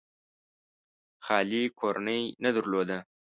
خالي کورنۍ نه درلوده.